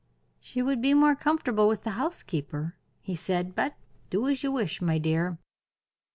"She would be more comfortable with the housekeeper," he said; "but do as you wish, my dear."